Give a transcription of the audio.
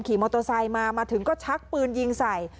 ขี่มอเตอร์ไซค์มามาถึงก็ชักปืนยิงใส่